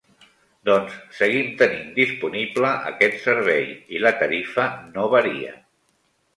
Doncs seguim tenint disponible aquest servei i la tarifa no varia.